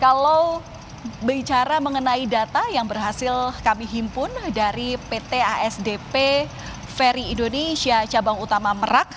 kalau bicara mengenai data yang berhasil kami himpun dari pt asdp ferry indonesia cabang utama merak